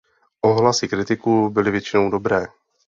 Ohlasy kritiků byly většinou dobré.